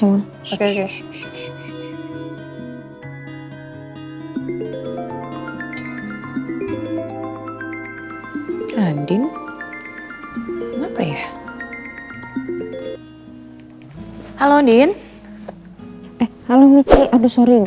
boleh boleh boleh